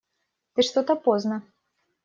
Ты что-то поздно.